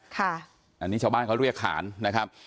อันนี้ชาวบ้านเขาเรียกขานนะครับ